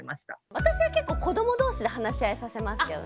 私は結構子ども同士で話し合いさせますけどね。